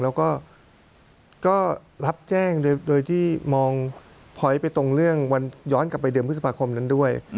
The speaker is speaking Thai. แล้วก็รับแจ้งโดยที่มองพอยต์ไปตรงเรื่องวันย้อนกลับไปเดือนพฤษภาคมนั้นด้วย